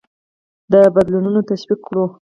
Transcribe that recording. د بدلونونه تشویق کړو.